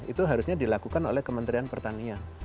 itu harusnya dilakukan oleh kementerian pertanian